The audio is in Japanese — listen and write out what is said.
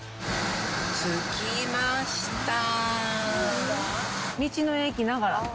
着きました。